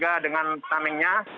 bersiaga dengan tamengnya